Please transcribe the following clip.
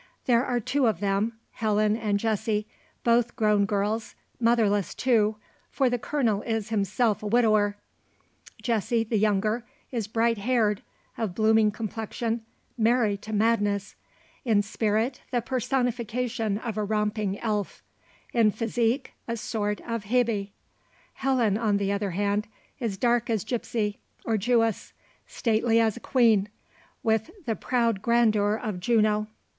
There are two of them Helen and Jessie both grown girls, motherless too for the colonel is himself a widower. Jessie, the younger, is bright haired, of blooming complexion, merry to madness; in spirit, the personification of a romping elf; in physique, a sort of Hebe. Helen, on the other hand, is dark as gipsy, or Jewess; stately as a queen, with the proud grandeur of Juno.